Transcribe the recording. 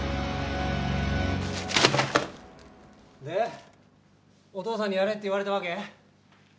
でお父さんにやれって言われたわけ？